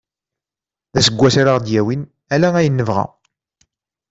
D aseggas ara aɣ-d-yawin ala ayen nebɣa.